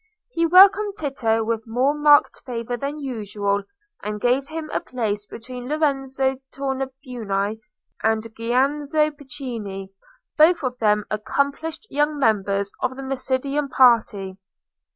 He welcomed Tito with more marked favour than usual and gave him a place between Lorenzo Tornabuoni and Giannozzo Pucci, both of them accomplished young members of the Medicean party.